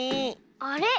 あれ？